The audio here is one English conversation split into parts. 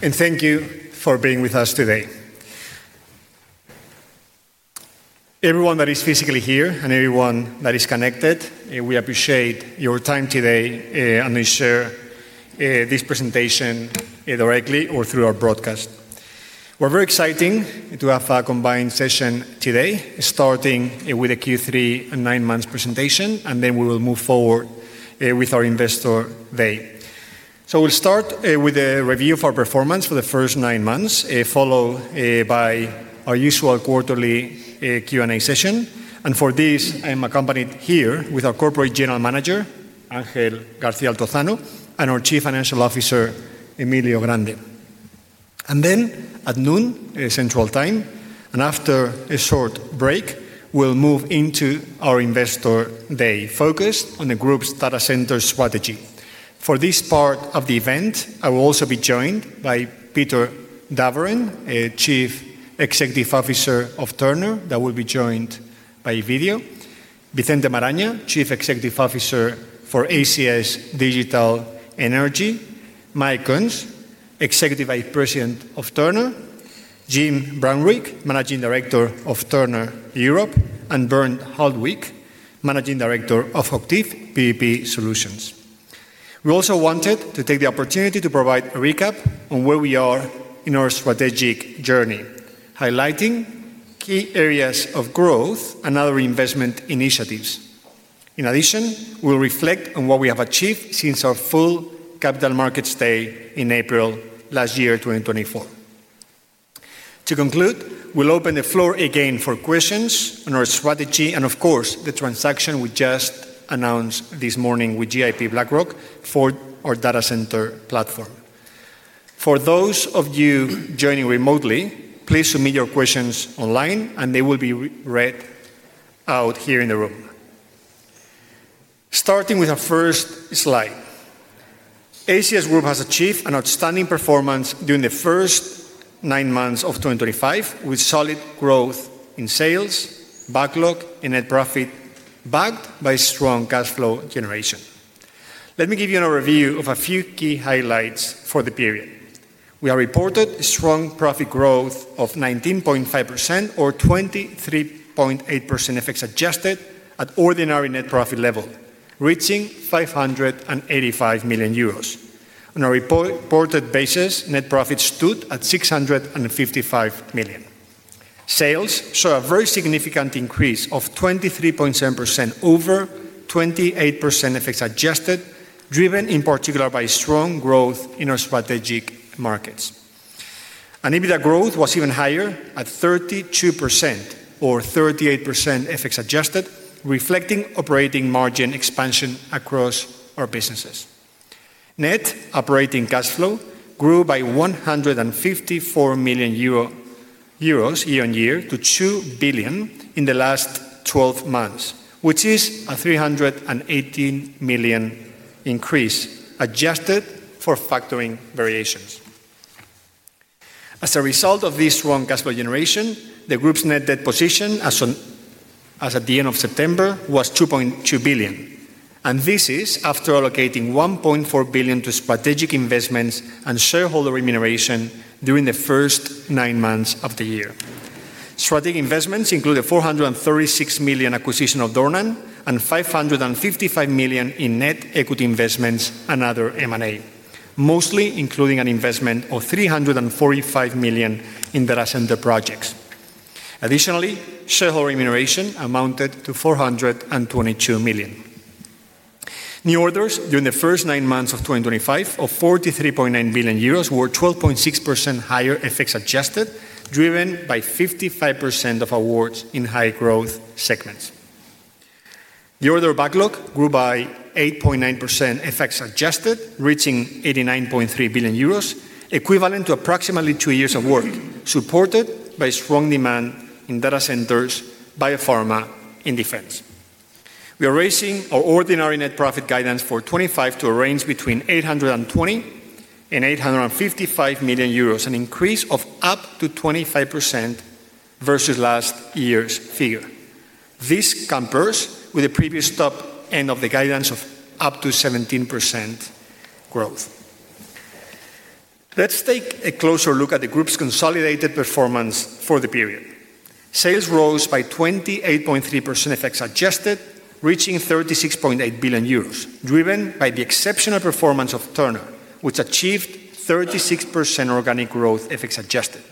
Thank you for being with us today. Everyone that is physically here and everyone that is connected, we appreciate your time today and sharing this presentation directly or through our broadcast. We are very excited to have a combined session today, starting with a Q3 and nine-month presentation, and then we will move forward with our Investor Day. We will start with a review of our performance for the first nine months, followed by our usual quarterly Q&A session. For this, I am accompanied here with our Corporate General Manager, Ángel García Altozano, and our Chief Financial Officer, Emilio Grande. At noon Central Time, and after a short break, we will move into our Investor Day, focused on the group's data center strategy. For this part of the event, I will also be joined by Peter Davoren, Chief Executive Officer of Turner, that will be joined by video, Vicente Maraña, Chief Executive Officer for ACS Digital Energy, Mike Kuntz, Executive Vice President of Turner, Jim Brunnrich, Managing Director of Turner Europe, and Burnt Holdwick, Managing Director of Octave PPP Solutions. We also wanted to take the opportunity to provide a recap on where we are in our strategic journey, highlighting key areas of growth and other investment initiatives. In addition, we'll reflect on what we have achieved since our full Capital Markets Day in April last year, 2024. To conclude, we'll open the floor again for questions on our strategy and, of course, the transaction we just announced this morning with GIP BlackRock for our data center platform. For those of you joining remotely, please submit your questions online, and they will be read out here in the room. Starting with our first slide, ACS Group has achieved an outstanding performance during the first nine months of 2025, with solid growth in sales, backlog, and net profit backed by strong cash flow generation. Let me give you an overview of a few key highlights for the period. We have reported strong profit growth of 19.5% or 23.8% FX adjusted at ordinary net profit level, reaching 585 million euros. On a reported basis, net profit stood at 655 million. Sales saw a very significant increase of 23.7% or 28% FX adjusted, driven in particular by strong growth in our strategic markets. EBITDA growth was even higher at 32% or 38% FX adjusted, reflecting operating margin expansion across our businesses. Net operating cash flow grew by 154 million euro year-on-year to 2 billion in the last 12 months, which is a 318 million increase adjusted for factoring variations. As a result of this strong cash flow generation, the group's net debt position as of the end of September was 2.2 billion, and this is after allocating 1.4 billion to strategic investments and shareholder remuneration during the first nine months of the year. Strategic investments included 436 million acquisition of Dornan and 555 million in net equity investments and other M&A, mostly including an investment of 345 million in data center projects. Additionally, shareholder remuneration amounted to 422 million. New orders during the first nine months of 2025 of 43.9 billion euros were 12.6% higher FX adjusted, driven by 55% of awards in high-growth segments. The order backlog grew by 8.9% FX adjusted, reaching 89.3 billion euros, equivalent to approximately two years of work, supported by strong demand in data centers, biopharma, and defense. We are raising our ordinary net profit guidance for 2025 to a range between 820 million and 855 million euros, an increase of up to 25% versus last year's figure. This compares with the previous top end of the guidance of up to 17% growth. Let's take a closer look at the group's consolidated performance for the period. Sales rose by 28.3% FX adjusted, reaching 36.8 billion euros, driven by the exceptional performance of Turner, which achieved 36% organic growth FX adjusted.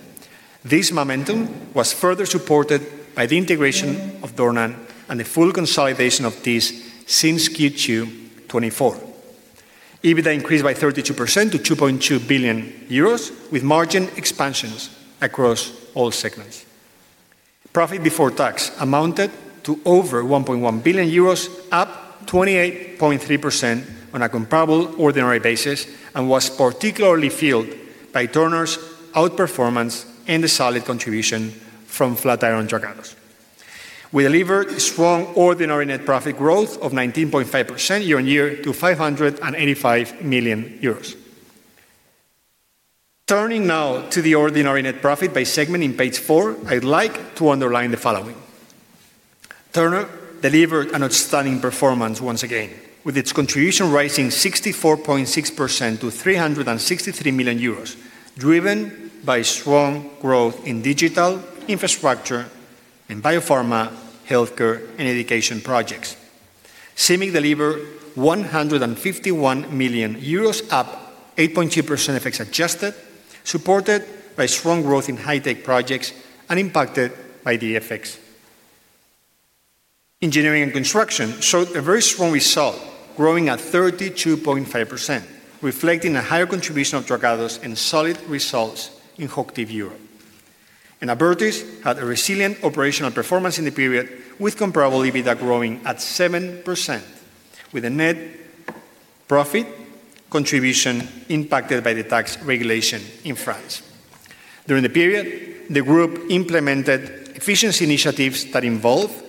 This momentum was further supported by the integration of Dornan and the full consolidation of this since Q2 2024. EBITDA increased by 32% to 2.2 billion euros, with margin expansions across all segments. Profit before tax amounted to over 1.1 billion euros, up 28.3% on a comparable ordinary basis, and was particularly fueled by Turner's outperformance and the solid contribution from Flatiron Dragados. We delivered strong ordinary net profit growth of 19.5% year-on-year to 585 million euros. Turning now to the ordinary net profit by segment in page four, I'd like to underline the following. Turner delivered an outstanding performance once again, with its contribution rising 64.6% to 363 million euros, driven by strong growth in digital infrastructure and biopharma, healthcare, and education projects. CIMIC delivered 151 million euros, up 8.2% FX adjusted, supported by strong growth in high-tech projects and impacted by the FX. Engineering and construction showed a very strong result, growing at 32.5%, reflecting a higher contribution of Dragados and solid results in Octave Europe. Abertis had a resilient operational performance in the period, with comparable EBITDA growing at 7%, with a net profit contribution impacted by the tax regulation in France. During the period, the group implemented efficiency initiatives that involved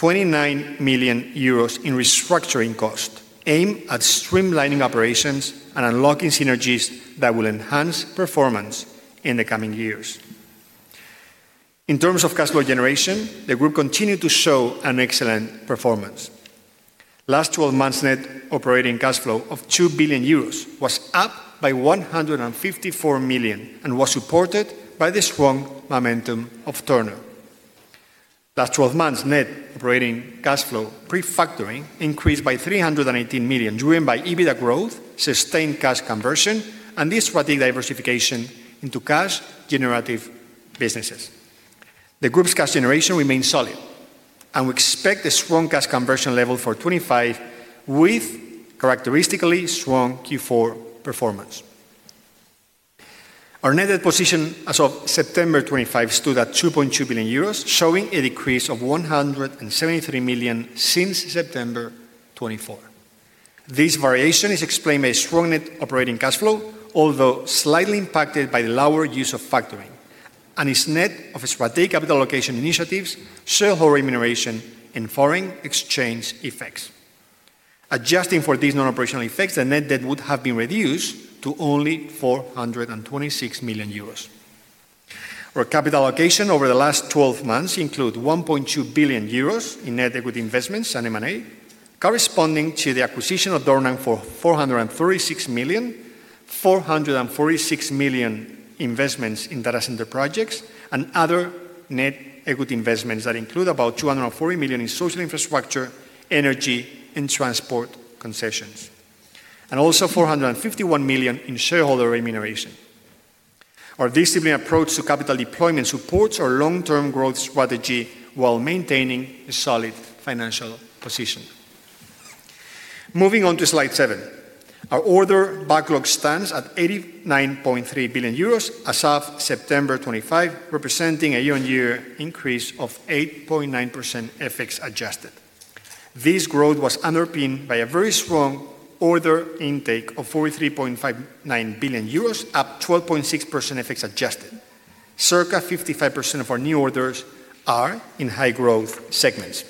29 million euros in restructuring cost, aimed at streamlining operations and unlocking synergies that will enhance performance in the coming years. In terms of cash flow generation, the group continued to show an excellent performance. Last 12 months' net operating cash flow of 2 billion euros was up by 154 million and was supported by the strong momentum of Turner. Last 12 months' net operating cash flow pre-factoring increased by 318 million, driven by EBITDA growth, sustained cash conversion, and this strategic diversification into cash-generative businesses. The group's cash generation remained solid, and we expect a strong cash conversion level for 2025, with characteristically strong Q4 performance. Our net debt position as of September 2025 stood at 2.2 billion euros, showing a decrease of 173 million since September 2024. This variation is explained by a strong net operating cash flow, although slightly impacted by the lower use of factoring, and is net of strategic capital allocation initiatives, shareholder remuneration, and foreign exchange effects. Adjusting for these non-operational effects, the net debt would have been reduced to only 426 million euros. Our capital allocation over the last 12 months includes 1.2 billion euros in net equity investments and M&A, corresponding to the acquisition of Dornan for 436 million, 446 million investments in data center projects, and other net equity investments that include about 240 million in social infrastructure, energy, and transport concessions, and also 451 million in shareholder remuneration. Our disciplined approach to capital deployment supports our long-term growth strategy while maintaining a solid financial position. Moving on to slide seven, our order backlog stands at 89.3 billion euros as of September 2025, representing a year-on-year increase of 8.9% FX adjusted. This growth was underpinned by a very strong order intake of 43.59 billion euros, up 12.6% FX adjusted. Circa 55% of our new orders are in high-growth segments.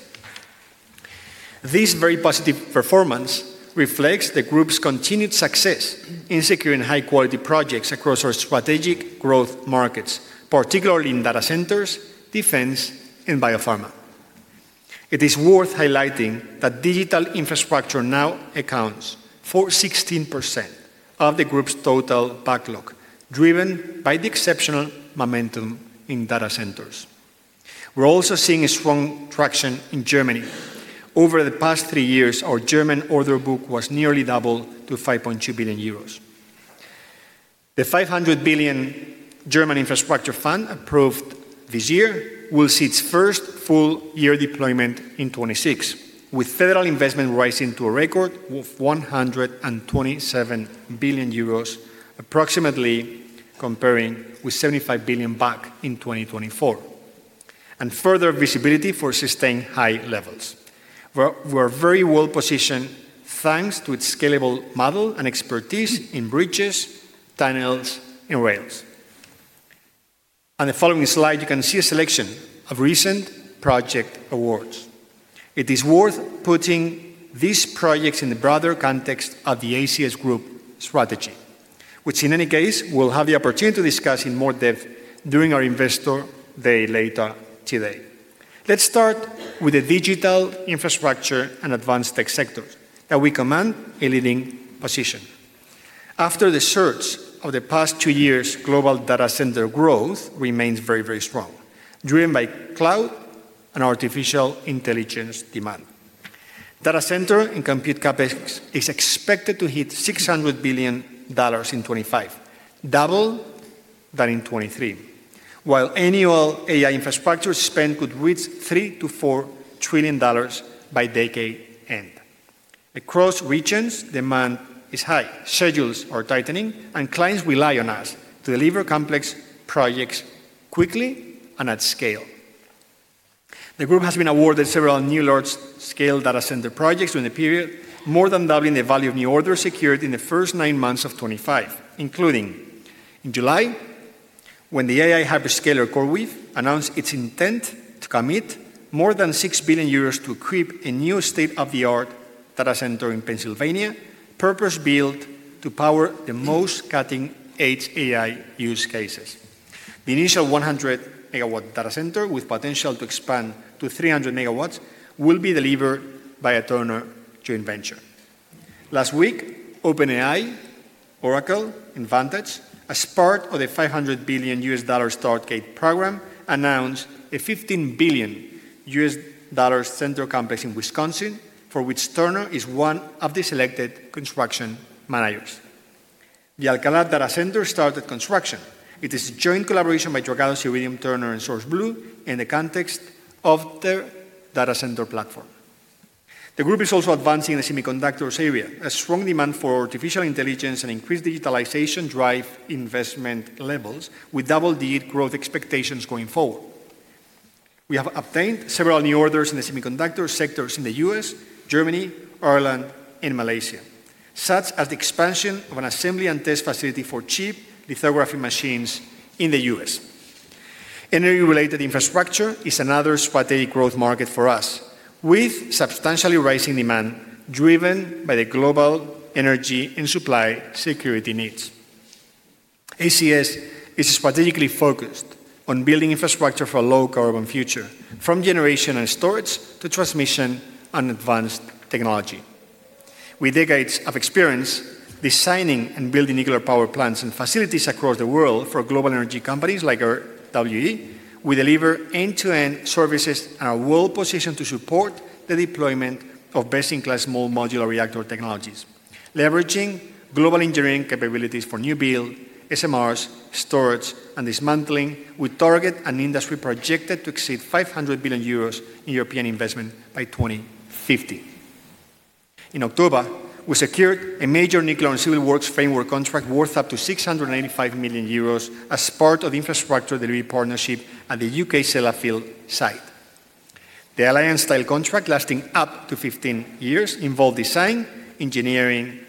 This very positive performance reflects the group's continued success in securing high-quality projects across our strategic growth markets, particularly in data centers, defense, and biopharma. It is worth highlighting that digital infrastructure now accounts for 16% of the group's total backlog, driven by the exceptional momentum in data centers. We're also seeing a strong traction in Germany. Over the past three years, our German order book was nearly doubled to 5.2 billion euros. The 500 billion German infrastructure fund approved this year will see its first full-year deployment in 2026, with federal investment rising to a record of 127 billion euros, approximately comparing with 75 billion back in 2024, and further visibility for sustained high levels. We are very well positioned thanks to its scalable model and expertise in bridges, tunnels, and rails. On the following slide, you can see a selection of recent project awards. It is worth putting these projects in the broader context of the ACS Group strategy, which, in any case, we will have the opportunity to discuss in more depth during our Investor Day later today. Let's start with the digital infrastructure and advanced tech sectors that we command a leading position. After the surge of the past two years, global data center growth remains very, very strong, driven by cloud and artificial intelligence demand. Data center and compute CapEx is expected to hit $600 billion in 2025, double than in 2023, while annual AI infrastructure spend could reach $3 trillion-$4 trillion by decade end. Across regions, demand is high, schedules are tightening, and clients rely on us to deliver complex projects quickly and at scale. The group has been awarded several new large-scale data center projects during the period, more than doubling the value of new orders secured in the first nine months of 2025, including in July when the AI hyperscaler CoreWeave announced its intent to commit more than 6 billion euros to equip a new state-of-the-art data center in Pennsylvania, purpose-built to power the most cutting-edge AI use cases. The initial 100-MW data center, with potential to expand to 300 MW, will be delivered by a Turner joint venture. Last week, OpenAI, Oracle, and Vantage, as part of the $500 billion Stargate program, announced a $15 billion central campus in Wisconsin, for which Turner is one of the selected construction managers. The Alcalá Data Center started construction. It is a joint collaboration by Dwarka, Skyrim, Turner, and SourceBlue in the context of their data center platform. The group is also advancing in the semiconductors area. A strong demand for artificial intelligence and increased digitalization drive investment levels, with double-digit growth expectations going forward. We have obtained several new orders in the semiconductor sectors in the U.S., Germany, Ireland, and Malaysia, such as the expansion of an assembly and test facility for chip lithography machines in the U.S. Energy-related infrastructure is another strategic growth market for us, with substantially rising demand driven by the global energy and supply security needs. ACS is strategically focused on building infrastructure for a low-carbon future, from generation and storage to transmission and advanced technology. With decades of experience designing and building nuclear power plants and facilities across the world for global energy companies like our WE, we deliver end-to-end services and are well-positioned to support the deployment of best-in-class small modular reactor technologies. Leveraging global engineering capabilities for new build, SMRs, storage, and dismantling, we target an industry projected to exceed 500 billion euros in European investment by 2050. In October, we secured a major nuclear and civil works framework contract worth up to 685 million euros as part of the infrastructure delivery partnership at the U.K. Sellafield site. The alliance-style contract, lasting up to 15 years, involved design, engineering,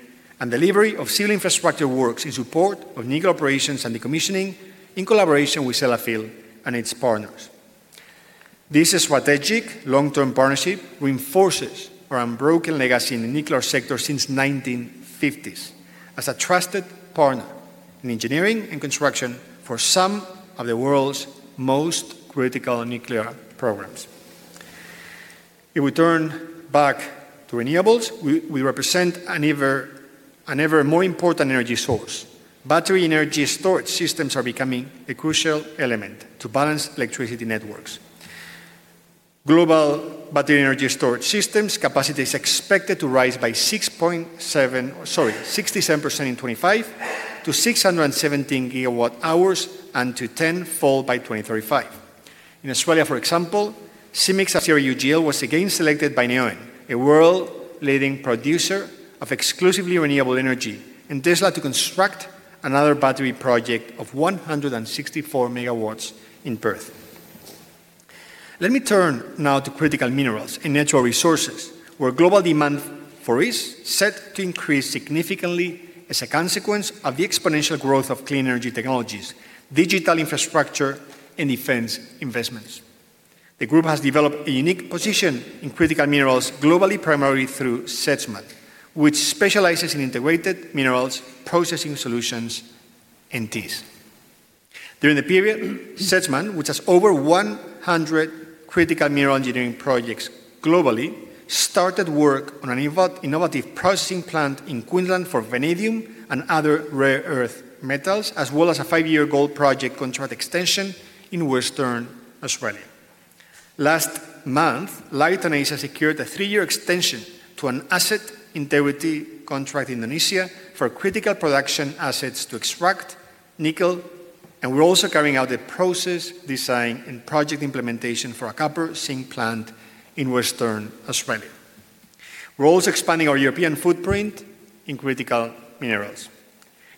and delivery of civil infrastructure works in support of nuclear operations and decommissioning in collaboration with Sellafield and its partners. This strategic long-term partnership reinforces our unbroken legacy in the nuclear sector since the 1950s as a trusted partner in engineering and construction for some of the world's most critical nuclear programs. If we turn back to renewables, we represent an ever more important energy source. Battery energy storage systems are becoming a crucial element to balance electricity networks. Global battery energy storage systems capacity is expected to rise by 67% in 2025 to 617 GWh and to 10-fold by 2035. In Australia, for example, CIMIC's UGL was again selected by Neoen, a world-leading producer of exclusively renewable energy, and Tesla to construct another battery project of 164 MW in Perth. Let me turn now to critical minerals and natural resources, where global demand for is set to increase significantly as a consequence of the exponential growth of clean energy technologies, digital infrastructure, and defense investments. The group has developed a unique position in critical minerals globally, primarily through Sedgman, which specializes in integrated minerals processing solutions and TIS. During the period, Sedgman, which has over 100 critical mineral engineering projects globally, started work on an innovative processing plant in Queensland for vanadium and other rare earth metals, as well as a five-year gold project contract extension in Western Australia. Last month, Leighton Asia secured a three-year extension to an asset integrity contract in Indonesia for critical production assets to extract nickel, and we're also carrying out the process design and project implementation for a copper zinc plant in Western Australia. We're also expanding our European footprint in critical minerals.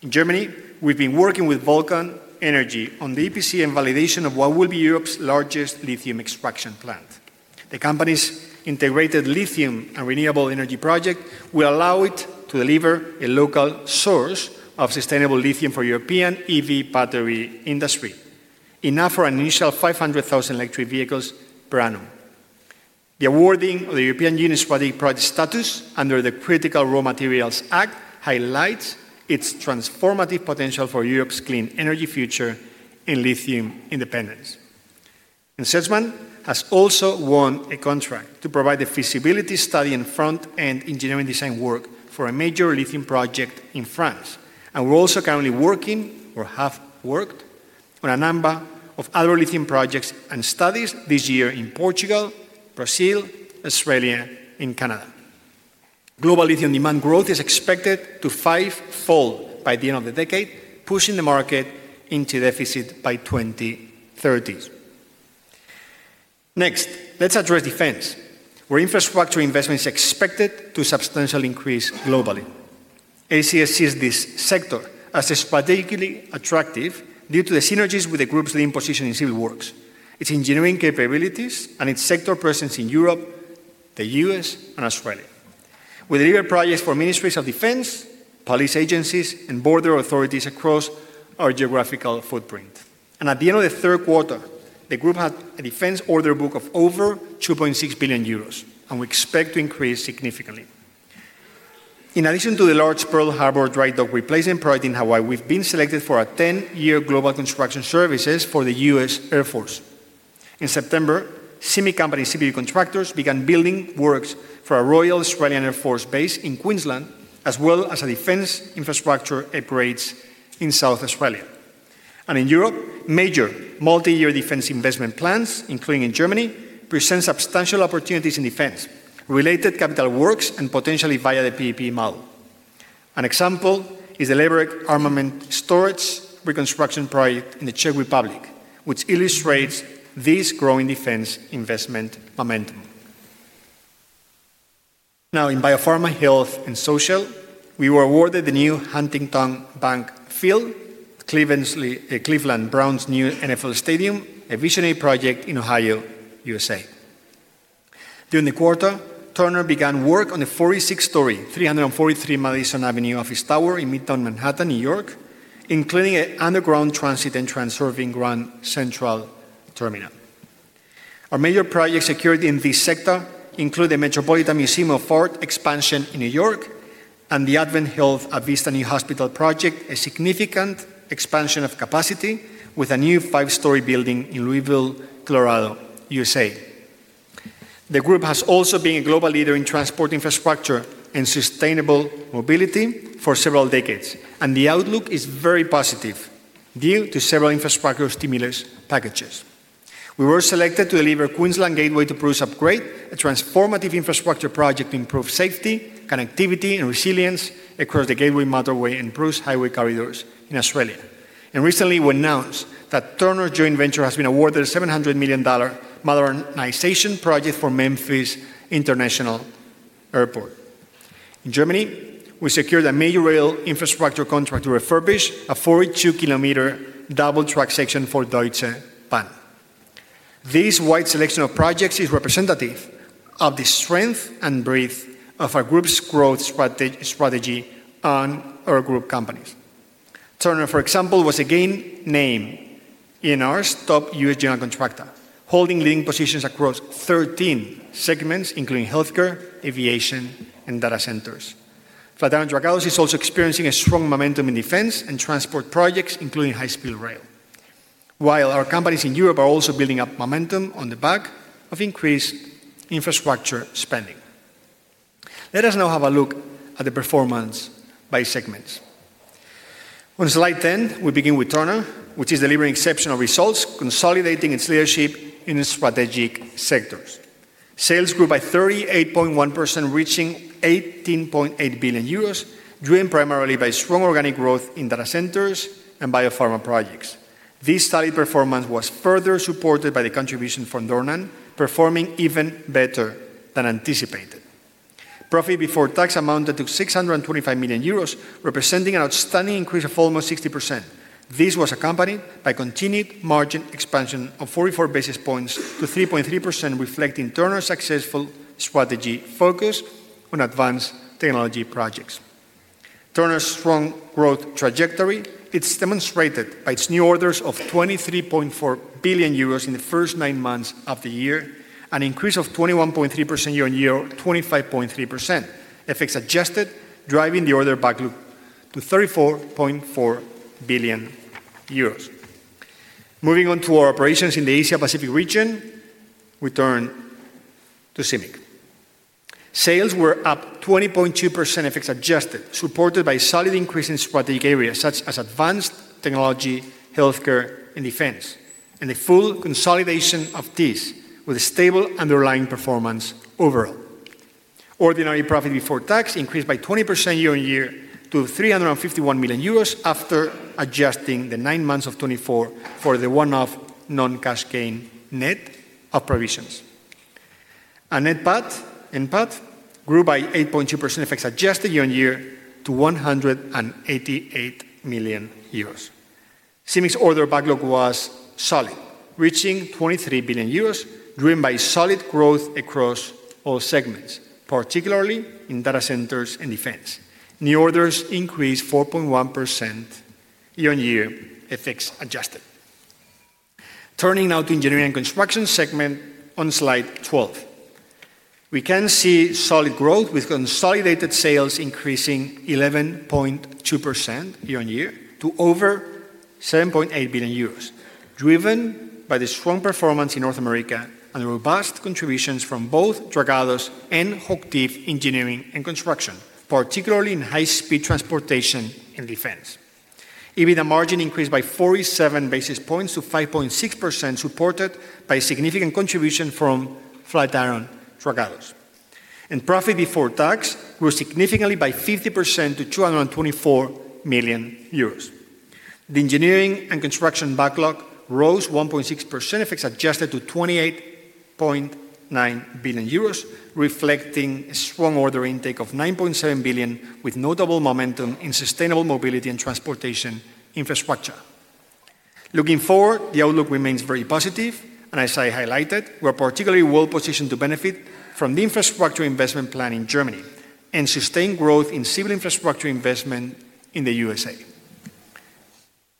In Germany, we've been working with Vulcan Energy on the EPC and validation of what will be Europe's largest lithium extraction plant. The company's integrated lithium and renewable energy project will allow it to deliver a local source of sustainable lithium for the European EV battery industry, enough for an initial 500,000 electric vehicles per annum. The awarding of the European Union's strategic project status under the Critical Raw Materials Act highlights its transformative potential for Europe's clean energy future and lithium independence. Sedgman has also won a contract to provide the feasibility study and front-end engineering design work for a major lithium project in France. We are also currently working, or have worked, on a number of other lithium projects and studies this year in Portugal, Brazil, Australia, and Canada. Global lithium demand growth is expected to fivefold by the end of the decade, pushing the market into deficit by 2030. Next, let's address defense, where infrastructure investment is expected to substantially increase globally. ACS sees this sector as strategically attractive due to the synergies with the group's leading position in civil works, its engineering capabilities, and its sector presence in Europe, the U.S., and Australia. We deliver projects for ministries of defense, police agencies, and border authorities across our geographical footprint. At the end of the third quarter, the group had a defense order book of over 2.6 billion euros, and we expect it to increase significantly. In addition to the large Pearl Harbor dry dock replacement project in Hawaii, we've been selected for a 10-year global construction services contract for the U.S. Air Force. In September, semiconductor and CPU contractors began building works for a Royal Australian Air Force base in Queensland, as well as defense infrastructure upgrades in South Australia. In Europe, major multi-year defense investment plans, including in Germany, present substantial opportunities in defense-related capital works and potentially via the PPP model. An example is the Leverick armament storage reconstruction project in the Czech Republic, which illustrates this growing defense investment momentum. Now, in biopharma, health, and social, we were awarded the new Huntington Bank field, a Cleveland Browns new NFL stadium, a visionary project in Ohio, USA. During the quarter, Turner began work on the 46-story 343 Madison Avenue office tower in Midtown Manhattan, New York, including an underground transit and transferring Grand Central Terminal. Our major projects secured in this sector include the Metropolitan Museum of Art expansion in New York and the AdventHealth Avista new hospital project, a significant expansion of capacity with a new five-story building in Louisville, Colorado, USA. The group has also been a global leader in transport infrastructure and sustainable mobility for several decades, and the outlook is very positive due to several infrastructure stimulus packages. We were selected to deliver Queensland Gateway to Bruce Upgrade, a transformative infrastructure project to improve safety, connectivity, and resilience across the Gateway Motorway and Bruce Highway corridors in Australia. Recently, we announced that Turner's joint venture has been awarded a $700 million modernization project for Memphis International Airport. In Germany, we secured a major rail infrastructure contract to refurbish a 42 km double-track section for Deutsche Bahn. This wide selection of projects is representative of the strength and breadth of our group's growth strategy and our group companies. Turner, for example, was again named in our top U.S. general contractor, holding leading positions across 13 segments, including healthcare, aviation, and data centers. Flatiron Dragados is also experiencing a strong momentum in defense and transport projects, including high-speed rail, while our companies in Europe are also building up momentum on the back of increased infrastructure spending. Let us now have a look at the performance by segments. On slide 10, we begin with Turner, which is delivering exceptional results, consolidating its leadership in strategic sectors. Sales grew by 38.1%, reaching 18.8 billion euros, driven primarily by strong organic growth in data centers and biopharma projects. This steady performance was further supported by the contribution from Dornan, performing even better than anticipated. Profit before tax amounted to 625 million euros, representing an outstanding increase of almost 60%. This was accompanied by continued margin expansion of 44 basis points to 3.3%, reflecting Turner's successful strategy focus on advanced technology projects. Turner's strong growth trajectory is demonstrated by its new orders of 23.4 billion euros in the first nine months of the year, an increase of 21.3% year-on-year, 25.3% FX adjusted, driving the order backlog to 34.4 billion euros. Moving on to our operations in the Asia-Pacific region, we turn to CIMIC. Sales were up 20.2% FX adjusted, supported by solid increases in strategic areas such as advanced technology, healthcare, and defense, and the full consolidation of TIS with a stable underlying performance overall. Ordinary profit before tax increased by 20% year-on-year to 351 million euros after adjusting the nine months of 2024 for the one-off non-cascade net of provisions. NPAT grew by 8.2% FX adjusted year-on-year to 188 million euros. CIMIC's order backlog was solid, reaching 23 billion euros, driven by solid growth across all segments, particularly in data centers and defense. New orders increased 4.1% year-on-year, FX adjusted. Turning now to the engineering and construction segment on slide 12, we can see solid growth with consolidated sales increasing 11.2% year-on-year to over 7.8 billion euros, driven by the strong performance in North America and robust contributions from both Dragados and Hochtief Engineering and Construction, particularly in high-speed transportation and defense. EBITDA margin increased by 47 basis points to 5.6%, supported by significant contribution from Flatiron Dragados. Profit before tax grew significantly by 50% to 224 million euros. The engineering and construction backlog rose 1.6%, FX adjusted, to 28.9 billion euros, reflecting a strong order intake of 9.7 billion, with notable momentum in sustainable mobility and transportation infrastructure. Looking forward, the outlook remains very positive, and as I highlighted, we are particularly well-positioned to benefit from the infrastructure investment plan in Germany and sustain growth in civil infrastructure investment in the USA.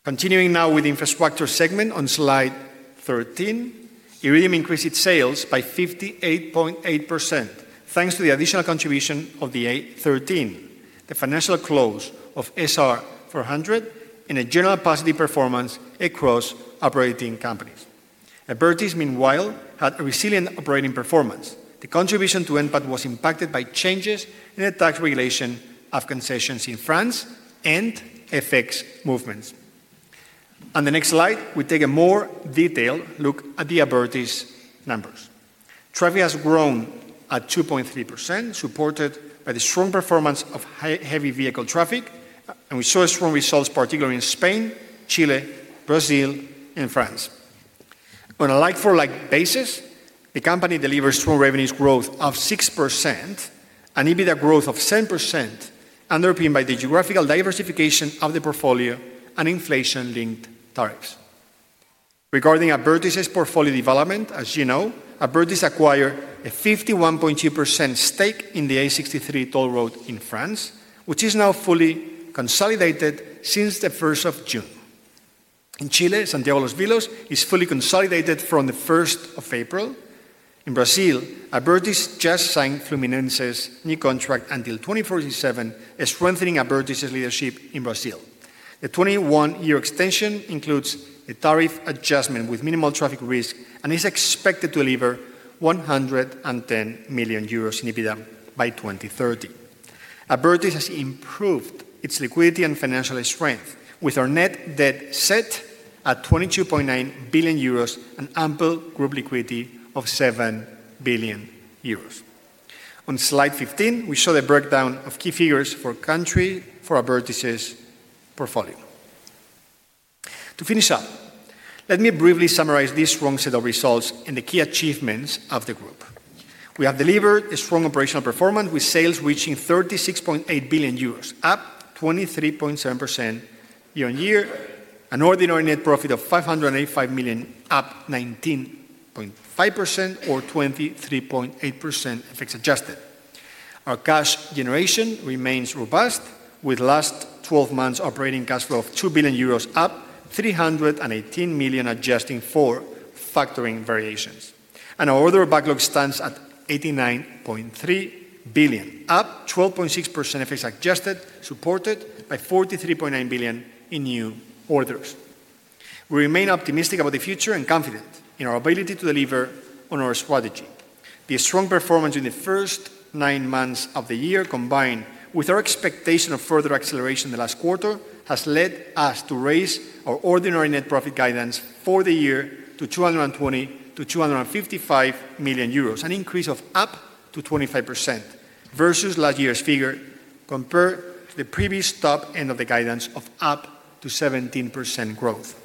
Continuing now with the infrastructure segment on slide 13, IRIDIUM increased its sales by 58.8% thanks to the additional contribution of the A13, the financial close of SR-400, and a general positive performance across operating companies. Abertis, meanwhile, had a resilient operating performance. The contribution to NPAT was impacted by changes in the tax regulation of concessions in France and FX movements. On the next slide, we take a more detailed look at the Abertis numbers. Traffic has grown at 2.3%, supported by the strong performance of heavy vehicle traffic, and we saw strong results, particularly in Spain, Chile, Brazil, and France. On a like-for-like basis, the company delivers strong revenues growth of 6% and EBITDA growth of 7%, underpinned by the geographical diversification of the portfolio and inflation-linked tariffs. Regarding Abertis' portfolio development, as you know, Abertis acquired a 51.2% stake in the A63 toll road in France, which is now fully consolidated since the 1st of June. In Chile, Santiago Los Vilos is fully consolidated from the 1st of April. In Brazil, Abertis just signed Fluminense's new contract until 2047, strengthening Abertis' leadership in Brazil. The 21-year extension includes a tariff adjustment with minimal traffic risk and is expected to deliver 110 million euros in EBITDA by 2030. Abertis has improved its liquidity and financial strength, with our net debt set at 22.9 billion euros and ample group liquidity of 7 billion euros. On slide 15, we show the breakdown of key figures per country for Abertis' portfolio. To finish up, let me briefly summarize this strong set of results and the key achievements of the group. We have delivered a strong operational performance with sales reaching 36.8 billion euros, up 23.7% year-on-year, an ordinary net profit of 585 million, up 19.5%, or 23.8% FX adjusted. Our cash generation remains robust, with last 12 months' operating cash flow of 2 billion euros, up 318 million, adjusting for factoring variations. Our order backlog stands at 89.3 billion, up 12.6% FX adjusted, supported by 43.9 billion in new orders. We remain optimistic about the future and confident in our ability to deliver on our strategy. The strong performance in the first nine months of the year, combined with our expectation of further acceleration in the last quarter, has led us to raise our ordinary net profit guidance for the year to 220 million-255 million euros, an increase of up to 25% versus last year's figure compared to the previous top end of the guidance of up to 17% growth.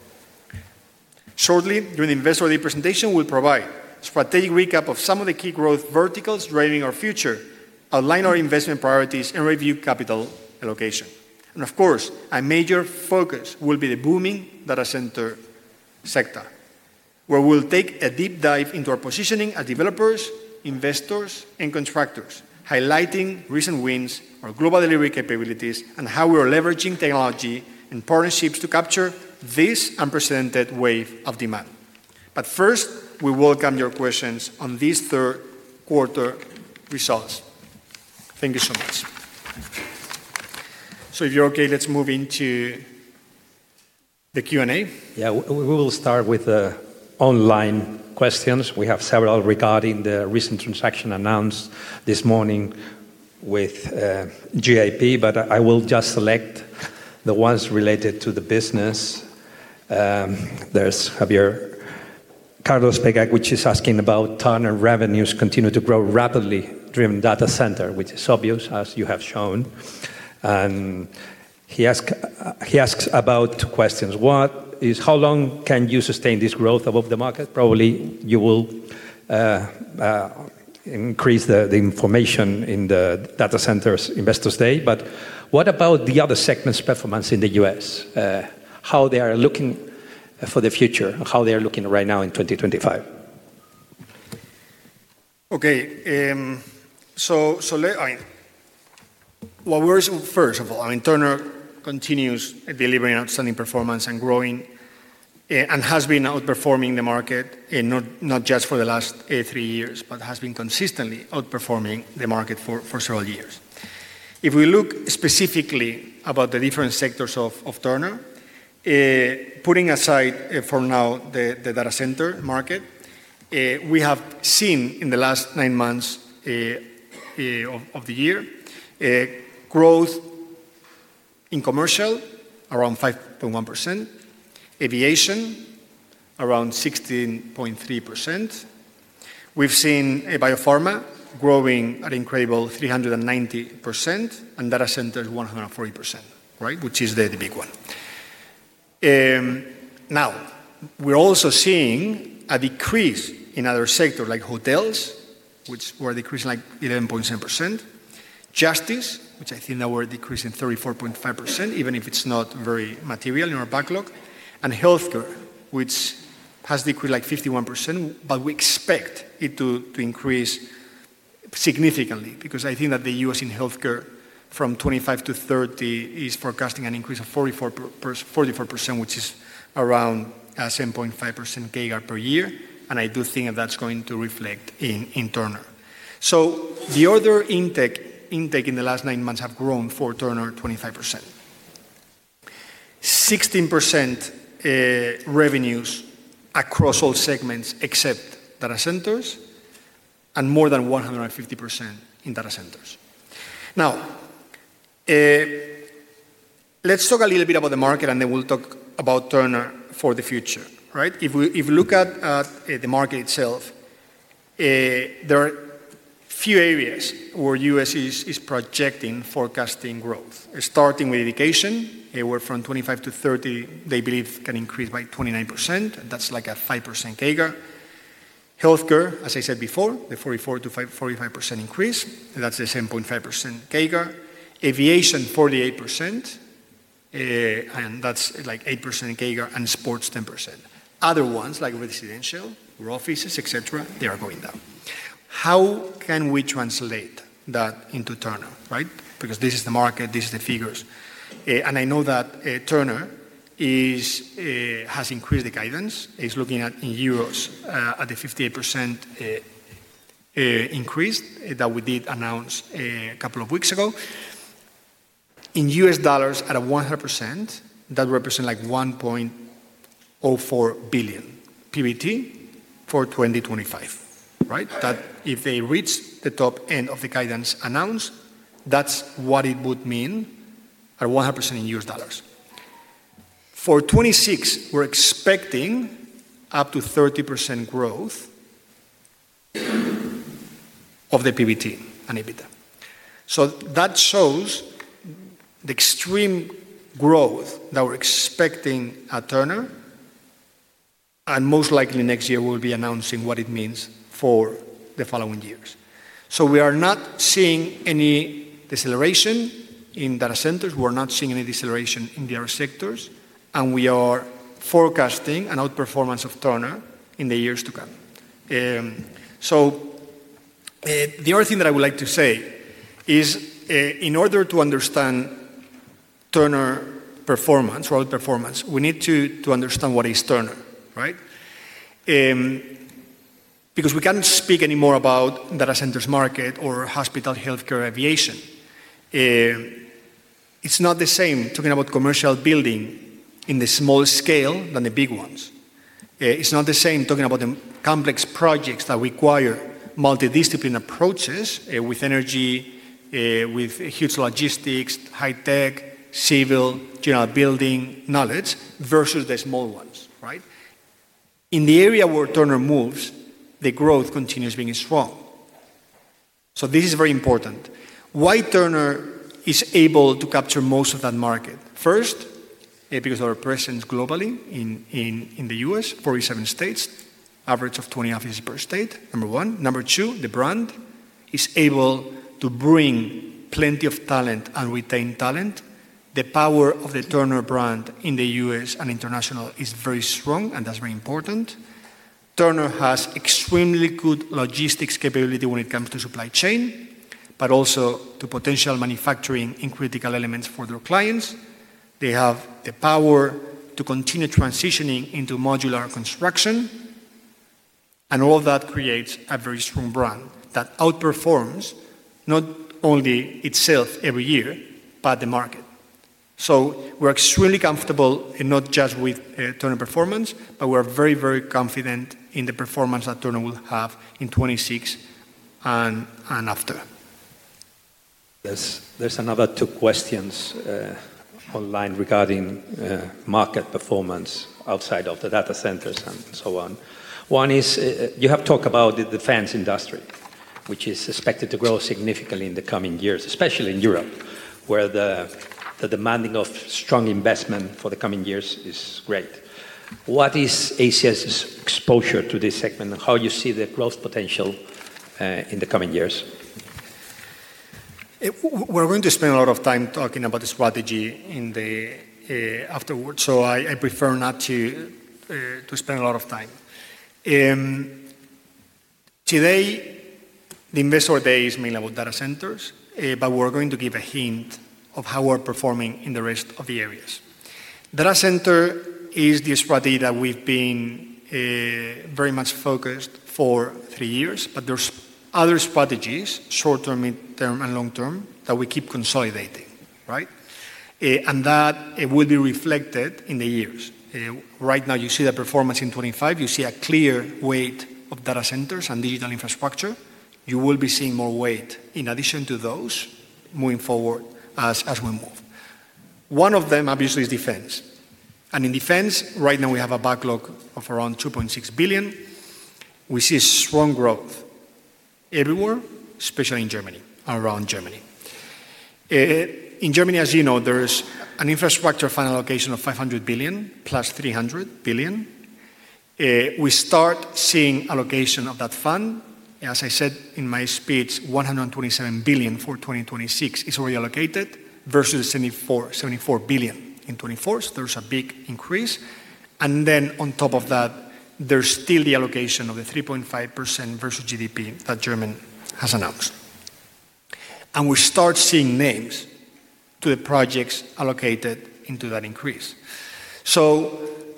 Shortly, during the investor presentation, we'll provide a strategic recap of some of the key growth verticals driving our future, outline our investment priorities, and review capital allocation. Our major focus will be the booming data center sector, where we'll take a deep dive into our positioning as developers, investors, and contractors, highlighting recent wins, our global delivery capabilities, and how we are leveraging technology and partnerships to capture this unprecedented wave of demand. First, we welcome your questions on these third-quarter results. Thank you so much. If you're okay, let's move into the Q&A. We will start with the online questions. We have several regarding the recent transaction announced this morning with GIP, but I will just select the ones related to the business. There's Javier Carlos Pegat, which is asking about Turner revenues continue to grow rapidly driven data center, which is obvious, as you have shown. He asks about two questions. What is how long can you sustain this growth above the market? Probably you will increase the information in the data centers investors' day. What about the other segments' performance in the U.S.? How they are looking for the future and how they are looking right now in 2025? Okay, I mean, what we're seeing, first of all, I mean, Turner continues delivering outstanding performance and growing and has been outperforming the market, not just for the last three years, but has been consistently outperforming the market for several years. If we look specifically about the different sectors of Turner, putting aside for now the data center market, we have seen in the last nine months of the year growth in commercial around 5.1%, aviation around 16.3%. We've seen biopharma growing at an incredible 390% and data centers 140%, right, which is the big one. Now, we're also seeing a decrease in other sectors like hotels, which were decreasing like 11.7%, justice, which I think that we're decreasing 34.5%, even if it's not very material in our backlog, and healthcare, which has decreased like 51%, but we expect it to increase significantly because I think that the U.S. in healthcare from 2025 to 2030 is forecasting an increase of 44%, which is around 7.5% CAGR per year. I do think that that's going to reflect in Turner. The order intake in the last nine months has grown for Turner 25%, 16% revenues across all segments except data centers, and more than 150% in data centers. Now, let's talk a little bit about the market, and then we'll talk about Turner for the future, right? If we look at the market itself, there are a few areas where the U.S. is projecting forecasting growth, starting with education, where from 2025 to 2030, they believe can increase by 29%. That's like a 5% CAGR. Healthcare, as I said before, the 44%-45% increase, and that's the 7.5% CAGR. Aviation, 48%, and that's like 8% CAGR, and sports, 10%. Other ones like residential, offices, etc., they are going down. How can we translate that into Turner, right? Because this is the market, these are the figures. And I know that Turner has increased the guidance. It's looking at in euros at the 58% increase that we did announce a couple of weeks ago. In US dollars, at a 100%, that represents like $1.04 billion PBT for 2025, right? That if they reach the top end of the guidance announced, that's what it would mean at 100% in US dollars. For 2026, we're expecting up to 30% growth of the PBT and EBITDA. That shows the extreme growth that we're expecting at Turner, and most likely next year we'll be announcing what it means for the following years. We are not seeing any deceleration in data centers. We're not seeing any deceleration in the other sectors, and we are forecasting an outperformance of Turner in the years to come. The other thing that I would like to say is, in order to understand Turner performance or outperformance, we need to understand what is Turner, right? Because we can't speak anymore about data centers market or hospital, healthcare, aviation. It's not the same talking about commercial building in the small scale than the big ones. It's not the same talking about the complex projects that require multidisciplinary approaches with energy, with huge logistics, high-tech, civil, general building knowledge versus the small ones, right? In the area where Turner moves, the growth continues being strong. This is very important. Why Turner is able to capture most of that market? First, because of our presence globally in the U.S., 47 states, average of 20 offices per state, number one. Number two, the brand is able to bring plenty of talent and retain talent. The power of the Turner brand in the U.S. and international is very strong, and that's very important. Turner has extremely good logistics capability when it comes to supply chain, but also to potential manufacturing in critical elements for their clients. They have the power to continue transitioning into modular construction, and all of that creates a very strong brand that outperforms not only itself every year, but the market. We are extremely comfortable not just with Turner performance, but we are very, very confident in the performance that Turner will have in 2026 and after. There are another two questions online regarding market performance outside of the data centers and so on. One is, you have talked about the defense industry, which is expected to grow significantly in the coming years, especially in Europe, where the demanding of strong investment for the coming years is great. What is ACS's exposure to this segment and how do you see the growth potential in the coming years? We're going to spend a lot of time talking about the strategy afterwards, so I prefer not to spend a lot of time. Today, the Investor Day is mainly about data centers, but we're going to give a hint of how we're performing in the rest of the areas. Data center is the strategy that we've been very much focused on for three years, but there are other strategies, short-term, mid-term, and long-term, that we keep consolidating, right? That will be reflected in the years. Right now, you see the performance in 2025. You see a clear weight of data centers and digital infrastructure. You will be seeing more weight in addition to those moving forward as we move. One of them, obviously, is defense. In defense, right now, we have a backlog of around 2.6 billion. We see strong growth everywhere, especially in Germany and around Germany. In Germany, as you know, there is an infrastructure fund allocation of 500 billion plus 300 billion. We start seeing allocation of that fund. As I said in my speech, 127 billion for 2026 is already allocated versus 74 billion in 2024, so there is a big increase. On top of that, there is still the allocation of the 3.5% versus GDP that Germany has announced. We start seeing names to the projects allocated into that increase.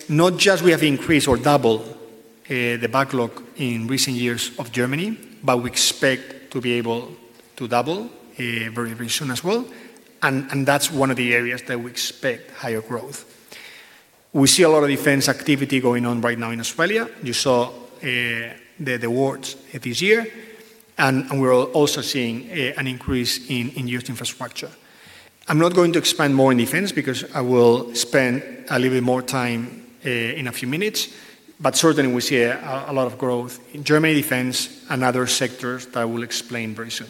Not just we have increased or doubled the backlog in recent years of Germany, but we expect to be able to double very, very soon as well. That is one of the areas that we expect higher growth. We see a lot of defense activity going on right now in Australia. You saw the awards this year, and we're also seeing an increase in used infrastructure. I'm not going to expand more in defense because I will spend a little bit more time in a few minutes, but certainly we see a lot of growth in Germany defense and other sectors that I will explain very soon.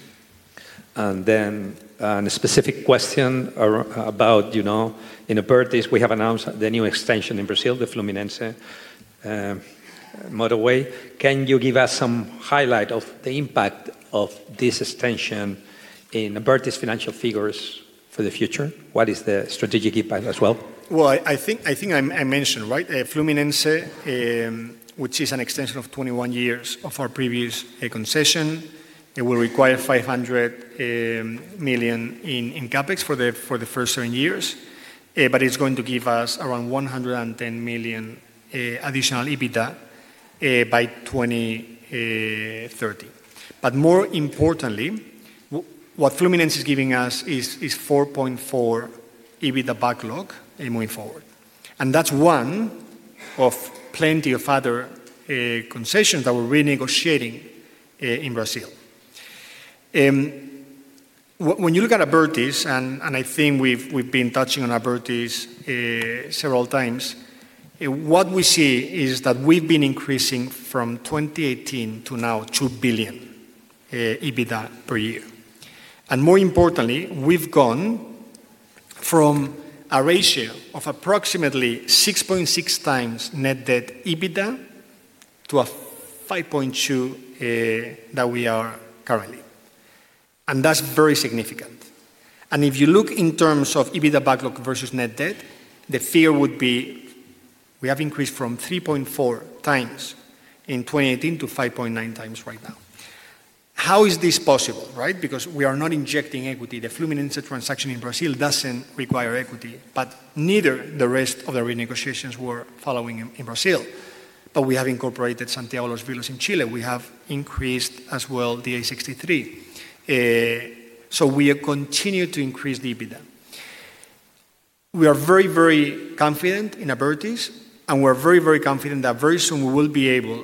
A specific question about in Abertis, we have announced the new extension in Brazil, the Fluminense motorway. Can you give us some highlight of the impact of this extension in Abertis financial figures for the future? What is the strategic impact as well? I think I mentioned, right? Fluminense, which is an extension of 21 years of our previous concession, it will require 500 million in CapEx for the first seven years, but it's going to give us around 110 million additional EBITDA by 2030. More importantly, what Fluminense is giving us is 4.4 billion EBITDA backlog moving forward. That is one of plenty of other concessions that we're renegotiating in Brazil. When you look at Abertis, and I think we've been touching on Abertis several times, what we see is that we've been increasing from 2018 to now 2 billion EBITDA per year. More importantly, we've gone from a ratio of approximately 6.6x net debt EBITDA to a 5.2x that we are currently. That is very significant. If you look in terms of EBITDA backlog versus net debt, the fear would be we have increased from 3.4x in 2018 to 5.9x right now. How is this possible, right? Because we are not injecting equity. The Fluminense transaction in Brazil does not require equity, but neither do the rest of the renegotiations we are following in Brazil. We have incorporated Santiago Los Villos in Chile. We have increased as well the A63. We continue to increase the EBITDA. We are very, very confident in Abertis, and we are very, very confident that very soon we will be able,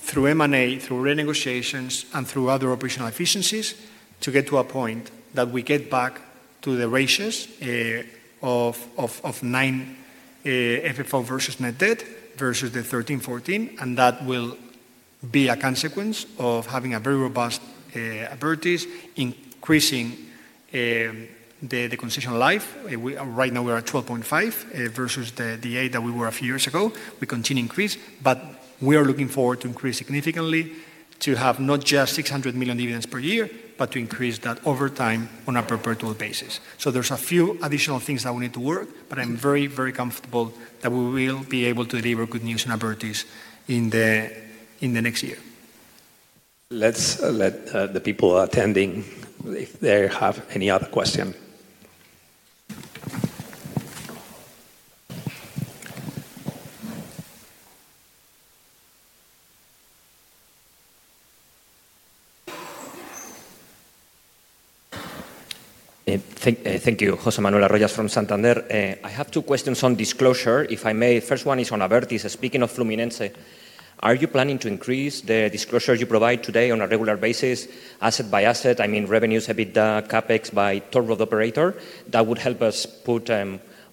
through M&A, through renegotiations, and through other operational efficiencies, to get to a point that we get back to the ratios of 9 FFO versus net debt versus the 13-14, and that will be a consequence of having a very robust Abertis, increasing the concessional life. Right now, we are at 12.5 versus the 8 that we were a few years ago. We continue to increase, but we are looking forward to increase significantly to have not just $600 million dividends per year, but to increase that over time on a perpetual basis. There are a few additional things that we need to work, but I'm very, very comfortable that we will be able to deliver good news in Abertis in the next year. Let's let the people attending, if they have any other question. Thank you, José Manuel Arroyas from Santander. I have two questions on disclosure, if I may. First one is on Abertis. Speaking of Fluminense, are you planning to increase the disclosure you provide today on a regular basis, asset by asset, I mean revenues, EBITDA, CapEx by total road operator? That would help us put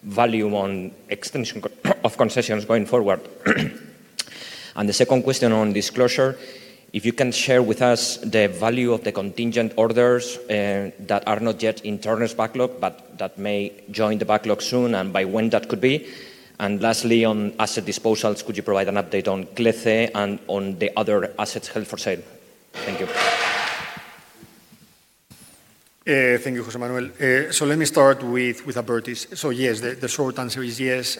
value on extension of concessions going forward. The second question on disclosure, if you can share with us the value of the contingent orders that are not yet in Turner's backlog, but that may join the backlog soon, and by when that could be. Lastly, on asset disposals, could you provide an update on Clece and on the other assets held for sale? Thank you. Thank you, José Manuel. Let me start with Abertis. Yes, the short answer is yes.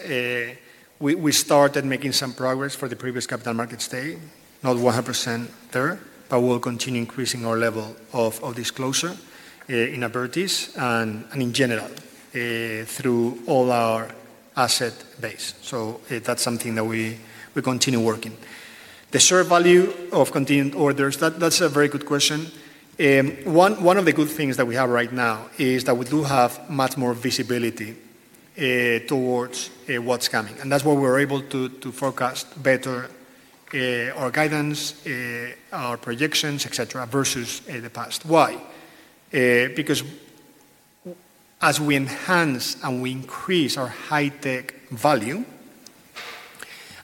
We started making some progress for the previous Capital Markets Day, not 100% there, but we'll continue increasing our level of disclosure in Abertis and in general through all our asset base. That is something that we continue working. The share value of continued orders, that's a very good question. One of the good things that we have right now is that we do have much more visibility towards what's coming. That's why we're able to forecast better our guidance, our projections, etc., versus the past. Why? Because as we enhance and we increase our high-tech value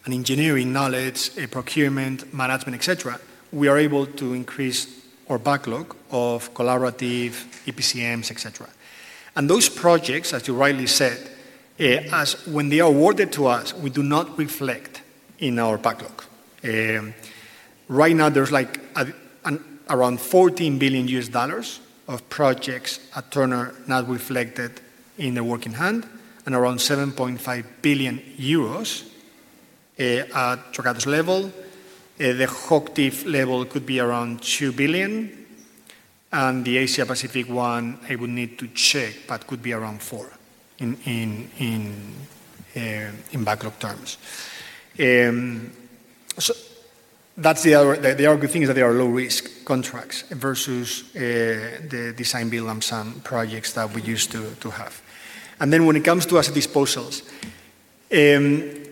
and engineering knowledge, procurement, management, etc., we are able to increase our backlog of collaborative EPCMs, etc. Those projects, as you rightly said, when they are awarded to us, we do not reflect in our backlog. Right now, there's like around $14 billion of projects at Turner not reflected in the work in hand and around 7.5 billion euros at Dragados level. The Hochtief level could be around 2 billion. The Asia-Pacific one, I would need to check, but could be around 4 billion in backlog terms. That is the other good thing, is that they are low-risk contracts versus the design-build-lamsan projects that we used to have. When it comes to asset disposals, in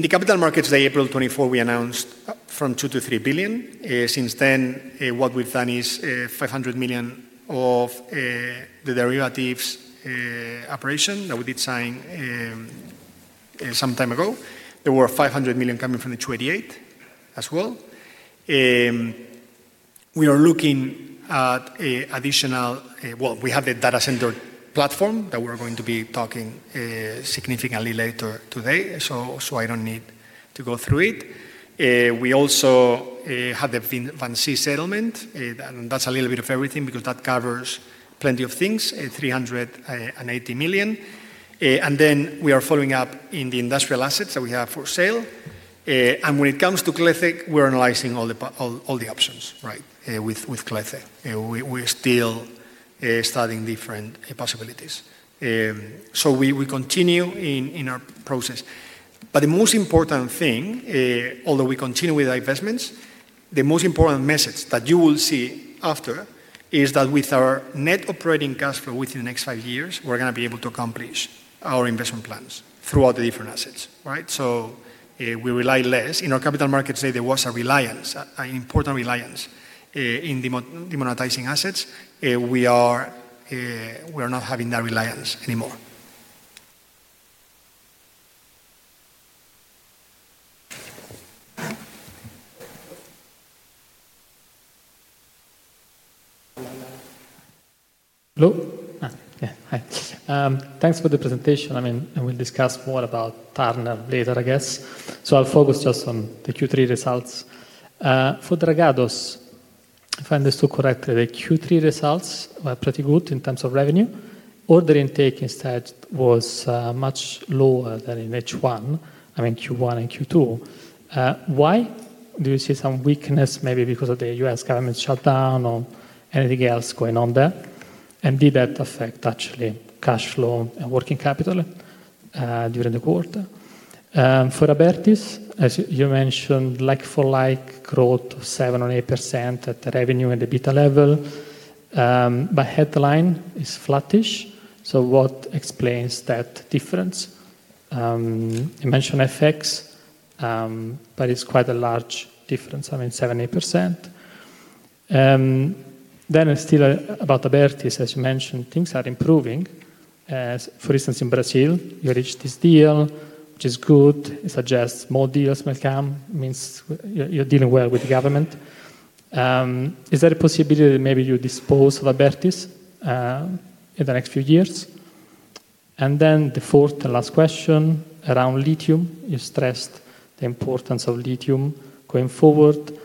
the Capital Markets Day, April 2024, we announced 2 billion-3 billion. Since then, what we have done is 500 million of the derivatives operation that we did sign some time ago. There were 500 million coming from the 288 as well. We are looking at additional, well, we have the data center platform that we are going to be talking significantly later today, so I do not need to go through it. We also have the VINCI settlement, and that is a little bit of everything because that covers plenty of things, 380 million. We are following up in the industrial assets that we have for sale. When it comes to Clece, we're analyzing all the options, right, with Clece. We're still studying different possibilities. We continue in our process. The most important thing, although we continue with the investments, the most important message that you will see after is that with our net operating cash flow within the next five years, we're going to be able to accomplish our investment plans throughout the different assets, right? We rely less. In our Capital Markets Day, there was a reliance, an important reliance in demonetizing assets. We are not having that reliance anymore. Hello? Yeah, hi. Thanks for the presentation. I mean, we'll discuss more about Turner later, I guess. I'll focus just on the Q3 results. For Dragados, if I understood correctly, the Q3 results were pretty good in terms of revenue. Order intake instead was much lower than in H1, I mean, Q1 and Q2. Why? Do you see some weakness maybe because of the U.S. government shutdown or anything else going on there? Did that affect actually cash flow and working capital during the quarter? For Abertis, as you mentioned, like-for-like growth of 7% or 8% at the revenue and EBITDA level. Headline is flattish, so what explains that difference? You mentioned FX, but it's quite a large difference, I mean, 7%-8%. Still about Abertis, as you mentioned, things are improving. For instance, in Brazil, you reached this deal, which is good. It suggests more deals may come. It means you're dealing well with the government. Is there a possibility that maybe you dispose of Abertis in the next few years? The fourth and last question around lithium. You stressed the importance of lithium going forward.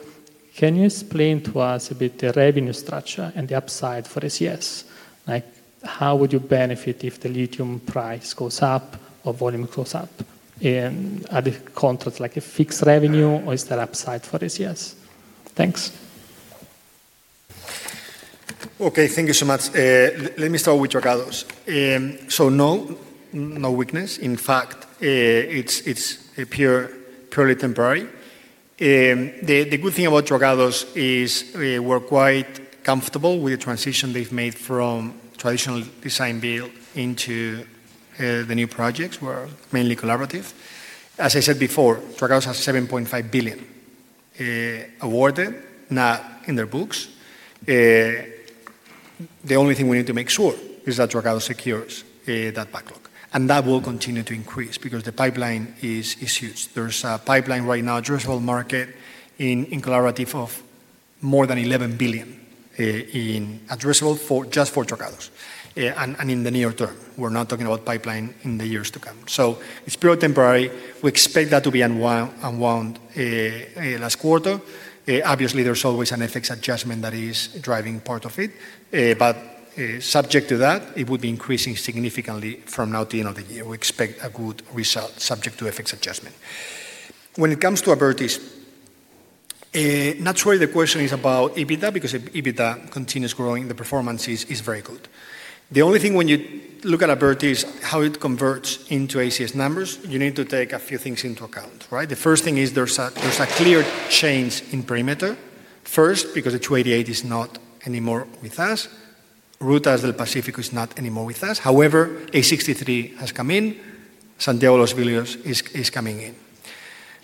Can you explain to us a bit the revenue structure and the upside for ACS? Like how would you benefit if the lithium price goes up or volume goes up? Are the contracts like a fixed revenue, or is there upside for ACS? Thanks. Okay, thank you so much. Let me start with Dragados. No weakness. In fact, it's purely temporary. The good thing about Dragados is we're quite comfortable with the transition they've made from traditional design-build into the new projects. We're mainly collaborative. As I said before, Dragados has 7.5 billion awarded, not in their books. The only thing we need to make sure is that Dragados secures that backlog. That will continue to increase because the pipeline is huge. There's a pipeline right now, addressable market in collaborative of more than 11 billion in addressable just for Dragados. In the near term, we're not talking about pipeline in the years to come. It is purely temporary. We expect that to be unwound last quarter. Obviously, there's always an FX adjustment that is driving part of it. Subject to that, it would be increasing significantly from now to the end of the year. We expect a good result subject to FX adjustment. When it comes to Abertis, naturally the question is about EBITDA because EBITDA continues growing. The performance is very good. The only thing when you look at Abertis, how it converts into ACS numbers, you need to take a few things into account, right? The first thing is there's a clear change in perimeter. First, because the 288 is not anymore with us. Ruta del Pacifico is not anymore with us. However, A63 has come in. Santiago Los Villos is coming in.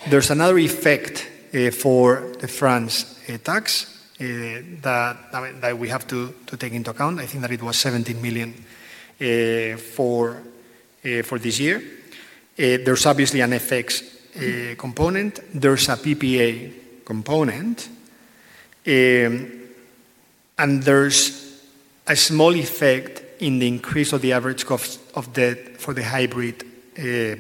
There is another effect for the France tax that we have to take into account. I think that it was 17 million for this year. There is obviously an FX component. There is a PPA component. And there is a small effect in the increase of the average cost of debt for the hybrid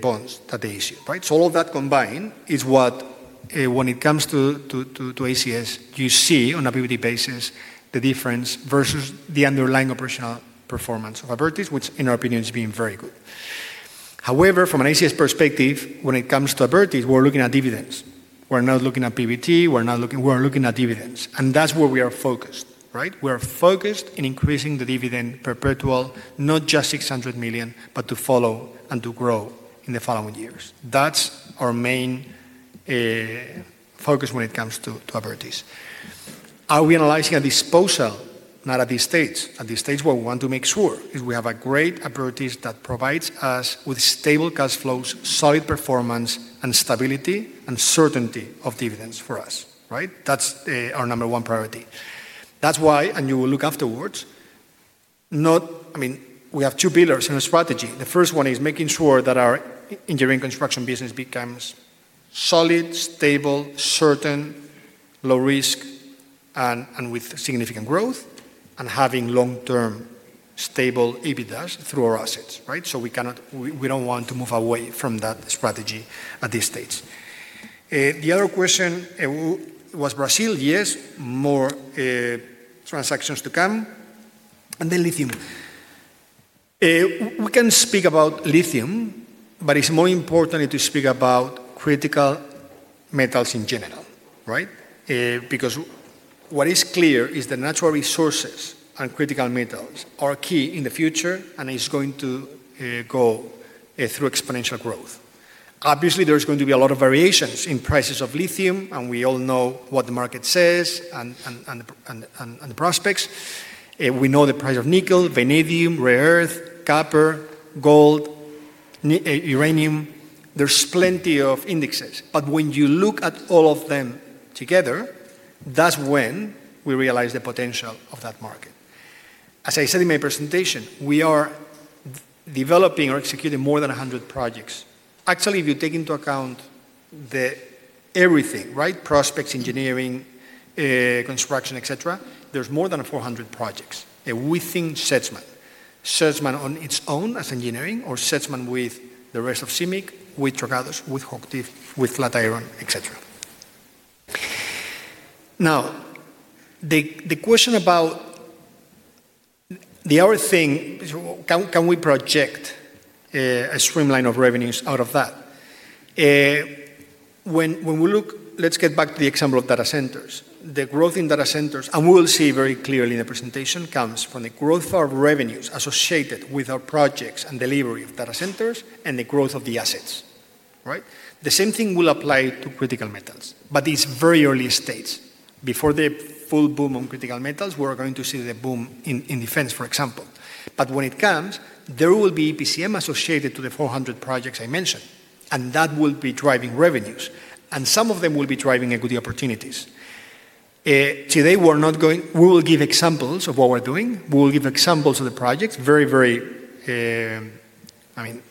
bonds that they issue, right? All of that combined is what, when it comes to ACS, you see on a PVT basis the difference versus the underlying operational performance of Abertis, which in our opinion is being very good. However, from an ACS perspective, when it comes to Abertis, we are looking at dividends. We are not looking at PVT. We are looking at dividends. That is where we are focused, right? We are focused in increasing the dividend perpetual, not just 600 million, but to follow and to grow in the following years. That's our main focus when it comes to Abertis. Are we analyzing a disposal, not at these states? At these states, what we want to make sure is we have a great Abertis that provides us with stable cash flows, solid performance, and stability and certainty of dividends for us, right? That's our number one priority. That's why, and you will look afterwards, not, I mean, we have two pillars in a strategy. The first one is making sure that our engineering construction business becomes solid, stable, certain, low-risk, and with significant growth, and having long-term stable EBITDAs through our assets, right? We don't want to move away from that strategy at these states. The other question was Brazil, yes, more transactions to come. And then lithium. We can speak about lithium, but it's more important to speak about critical metals in general, right? Because what is clear is that natural resources and critical metals are key in the future and is going to go through exponential growth. Obviously, there's going to be a lot of variations in prices of lithium, and we all know what the market says and the prospects. We know the price of nickel, vanadium, rare earth, copper, gold, uranium. There's plenty of indexes. When you look at all of them together, that's when we realize the potential of that market. As I said in my presentation, we are developing or executing more than 100 projects. Actually, if you take into account everything, right, prospects, engineering, construction, etc., there's more than 400 projects. We think Sedgman. Sedgman on its own as engineering or Sedgman with the rest of CIMIC, with Dragados, with Hochtief, with Flatiron, etc. Now, the question about the other thing, can we project a streamline of revenues out of that? When we look, let's get back to the example of data centers. The growth in data centers, and we will see very clearly in the presentation, comes from the growth of revenues associated with our projects and delivery of data centers and the growth of the assets, right? The same thing will apply to critical metals, but it's very early stage. Before the full boom on critical metals, we're going to see the boom in defense, for example. When it comes, there will be EPCM associated to the 400 projects I mentioned, and that will be driving revenues. Some of them will be driving equity opportunities. Today, we will give examples of what we're doing. We will give examples of the projects. Very, very, I mean,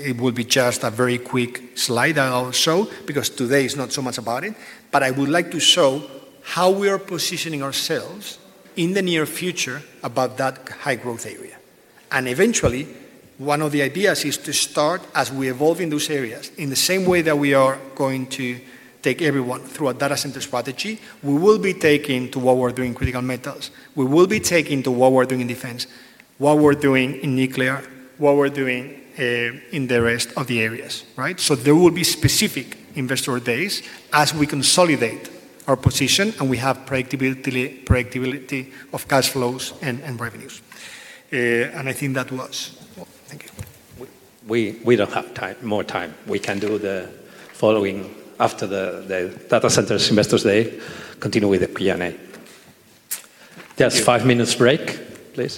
it will be just a very quick slide I'll show because today is not so much about it. I would like to show how we are positioning ourselves in the near future about that high growth area. Eventually, one of the ideas is to start as we evolve in those areas in the same way that we are going to take everyone through a data center strategy. We will be taking you to what we're doing in critical metals. We will be taking you to what we're doing in defense, what we're doing in nuclear, what we're doing in the rest of the areas, right? There will be specific Investor Days as we consolidate our position and we have predictability of cash flows and revenues. I think that was, well, thank you. We do not have more time. We can do the following after the data centers Investors Day. Continue with the P&A. Just five minutes break, please.